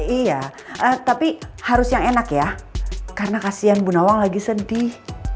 iya tapi harus yang enak ya karena kasian bu nawang lagi sedih